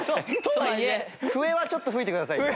笛はちょっと吹いてくださいよ。